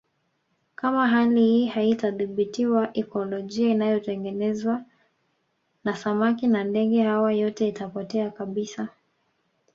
Kama hali hii haitadhibitiwa ikolojia inayotengenezwa na samaki na ndege hawa yote itapotea kabisa